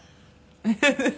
フフフフ！